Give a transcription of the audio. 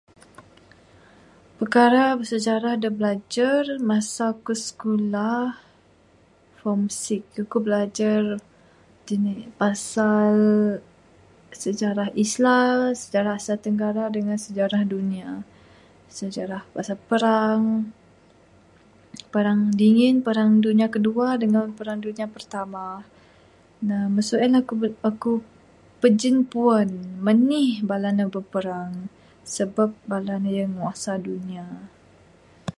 Perkara bersejarah de belajar masa sekulah, form six, eku belajar jinik, pasal sejarah islam, sejarah asia tenggara dengan sejarah dunia, sejarah pasal perang, perang dingin, perang dunia kedua dengan perang dunia pertama, ne mung sien, eku, eku pejin puan menih bala ne berperang, sebab bala ne ihong nguasa dunia.